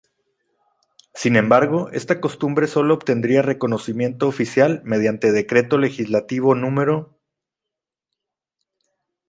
Sin embargo, esta costumbre sólo obtendría reconocimiento oficial mediante Decreto Legislativo No.